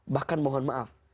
bahkan mohon maaf